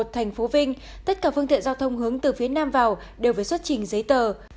thành phố vinh tất cả phương tiện giao thông hướng từ phía nam vào đều phải xuất trình giấy tờ